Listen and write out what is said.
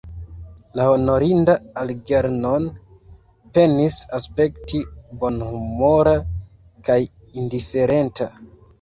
La honorinda Algernon penis aspekti bonhumora kaj indiferenta.